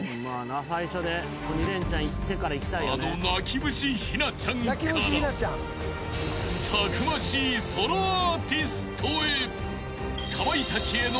［あの泣き虫ひなちゃんからたくましいソロアーティストへ］